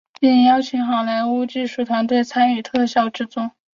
并邀请好莱坞技术团队参与特效制作。